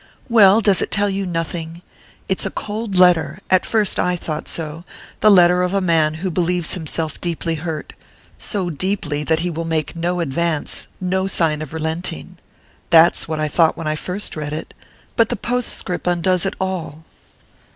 "Well, does it tell you nothing? It's a cold letter at first I thought so the letter of a man who believes himself deeply hurt so deeply that he will make no advance, no sign of relenting. That's what I thought when I first read it...but the postscript undoes it all."